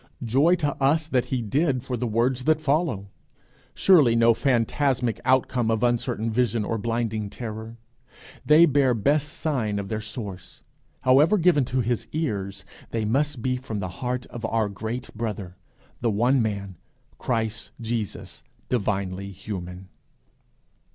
Joy to us that he did, for the words that follow surely no phantasmic outcome of uncertain vision or blinding terror! They bear best sign of their source: however given to his ears, they must be from the heart of our great Brother, the one Man, Christ Jesus, divinely human!